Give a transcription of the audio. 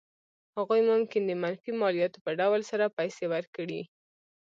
هغوی ممکن د منفي مالیاتو په ډول سره پیسې ورکړي.